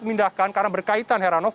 memindahkan karena berkaitan heranov